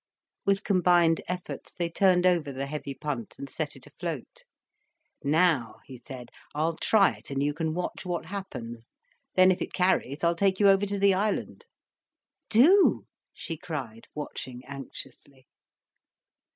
With combined efforts they turned over the heavy punt and set it afloat. "Now," he said, "I'll try it and you can watch what happens. Then if it carries, I'll take you over to the island." "Do," she cried, watching anxiously.